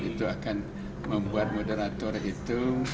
itu akan membuat moderator itu